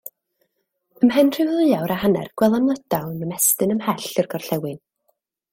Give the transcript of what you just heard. Ymhen rhyw ddwy awr a hanner gwelem Lydaw'n ymestyn ymhell i'r gorllewin.